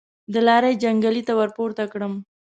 د لارۍ جنګلې ته ورپورته کړم.